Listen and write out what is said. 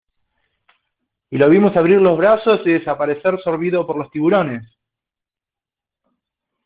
y le vimos abrir los brazos y desaparecer sorbido por los tiburones.